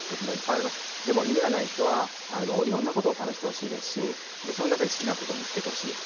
でも、言いたいのは夢がない人はいろんなことを試してほしいですしその中で好きなことを見つけてほしい。